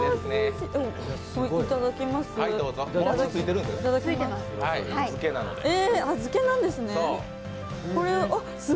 いただきます。